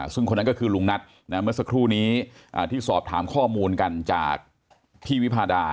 ซึ่งคนนั้นก็คือลุงนัทเมื่อสักครู่นี้ที่สอบถามข้อมูลกันจากพี่วิพาดา